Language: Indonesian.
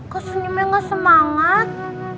kok senyumnya gak semangat